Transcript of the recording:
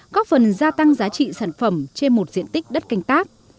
góp phần gia tăng giá trị sản phẩm trên một diện tích đất canh tác